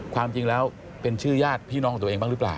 ความจริงแล้วเป็นชื่อญาติพี่น้องของตัวเองบ้างหรือเปล่า